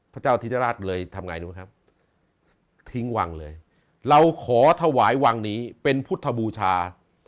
พระเจ้าธิราชเลยทำไงรู้ไหมครับทิ้งวังเลยเราขอถวายวังนี้เป็นพุทธบูชา